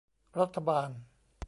รัฐบาล